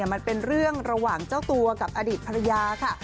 มันเป็นเรื่องระหว่างเจ้าตัวกับอดีตภรรยาค่ะ